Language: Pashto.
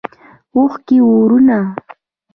اوښکې اورونه